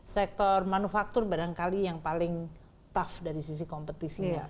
sektor manufaktur barangkali yang paling tough dari sisi kompetisinya